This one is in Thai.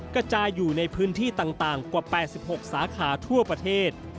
กระจายอยู่ในพื้นที่ต่างกว่า๘๖สาขาทั่วประเทศ